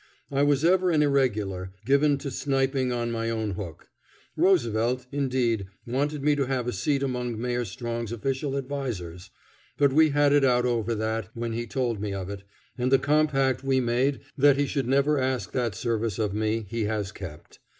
I was ever an irregular, given to sniping on my own hook. Roosevelt, indeed, wanted me to have a seat among Mayor Strong's official advisers; but we had it out over that when he told me of it, and the compact we made that he should never ask that service of me he has kept.